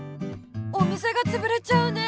お店がつぶれちゃうね。